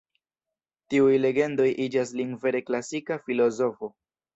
Tiuj legendoj iĝas lin vere klasika filozofo.